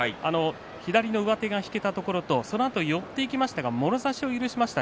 左の上手が引けたところとこのあと寄っていきましたがもろ差しを許しました。